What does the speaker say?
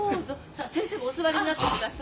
さあ先生もお座りになってください。